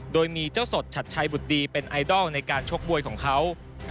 โดยมีเจ้าสดชัดชัยบุตรดีเป็นไอดอลในการชกมวยของเขา